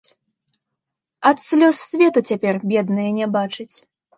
Ад слёз свету цяпер, бедная, не бачыць.